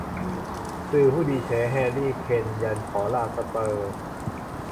สื่อผู้ดี แฉ แฮร์รี่ เคน ยันขอลา สเปอร์ส